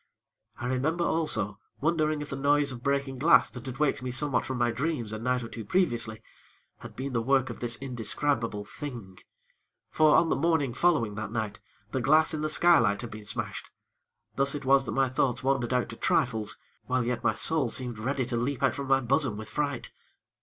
I remember also, wondering if the noise of breaking glass that had waked me somewhat from my dreams a night or two previously, had been the work of this indescribable Thing; for on the morning following that night, the glass in the skylight had been smashed. Thus it was that my thoughts wandered out to trifles, while yet my soul seemed ready to leap out from my bosom with fright.